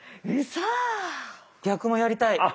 ウソ⁉逆もやりたい。